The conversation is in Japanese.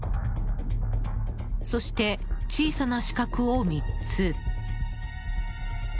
そして、小さな四角を３つ。